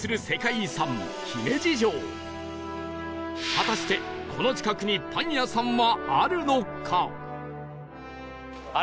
果たしてこの近くにパン屋さんはあるのか？